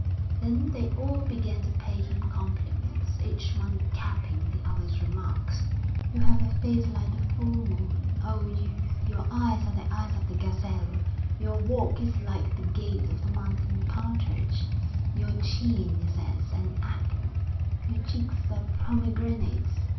Then they all began to pay him compliments, each one capping the other's remark. 'You have a face like the full moon, oh youth; your eyes are the eyes of the gazelle; your walk is like the gait of the mountain partridge; your chin is as an apple; your cheeks are pomegranates.'